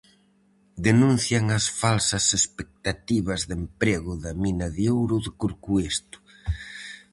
Denuncian as falsas expectativas de emprego da mina de ouro de Corcoesto.